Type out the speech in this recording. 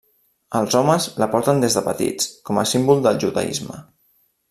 Els homes la porten des de petits, com a símbol del judaisme.